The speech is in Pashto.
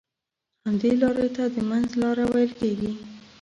همدې لارې ته د منځ لاره ويل کېږي.